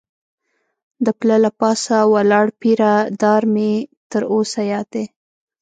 د پله له پاسه ولاړ پیره دار مې تر اوسه یاد دی.